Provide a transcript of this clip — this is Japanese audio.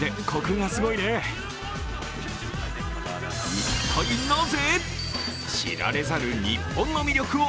一体なぜ？